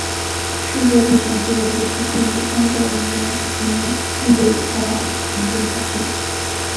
世界历险记的游戏性质相较于原始片并未有太大程度的改变。